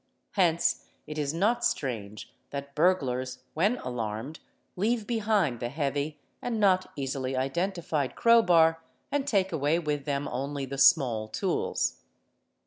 Hence it is not strange that burglars, when alarmed, leave behind the heavy and not easily identified trowbar and take away with them only the small tools.